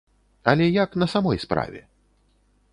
Але як на самой справе?